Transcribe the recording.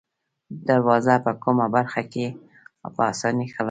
دروازه په کومه برخه کې په آسانۍ خلاصیږي؟